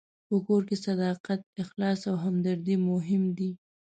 په کور کې صداقت، اخلاص او همدردي مهم دي.